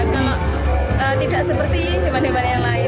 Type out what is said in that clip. kalau tidak seperti hewan hewan yang lain